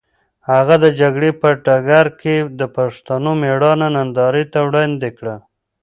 هغه د جګړې په ډګر کې د پښتنو مېړانه نندارې ته وړاندې کړه.